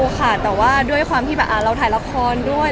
ค่ะแต่ว่าด้วยความที่แบบเราถ่ายละครด้วย